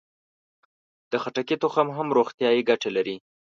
د خټکي تخم هم روغتیایي ګټه لري.